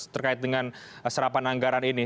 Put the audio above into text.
terkait dengan serapan anggaran ini